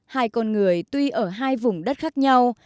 hai con người tuy ở hai vùng đất khác nhau